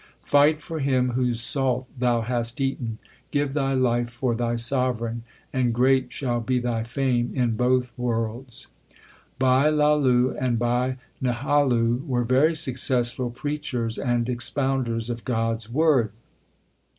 Fight for him whose salt thou hast eaten. Give thy life for thy sovereign, and great shall be thy fame in both worlds. l Bhai Lalu and Bhai Nihalu were very successful preachers and expounders of God s word.